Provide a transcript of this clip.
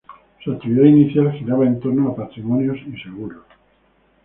Su actividad inicial giraba en torno a patrimonios y seguros.